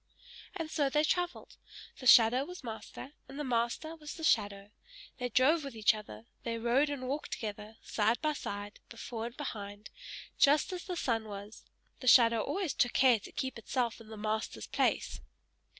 And so they travelled; the shadow was master, and the master was the shadow; they drove with each other, they rode and walked together, side by side, before and behind, just as the sun was; the shadow always took care to keep itself in the master's place.